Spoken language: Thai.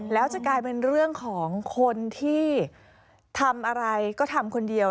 แล้วจะกลายเป็นเรื่องของคนที่ทำอะไรก็ทำคนเดียว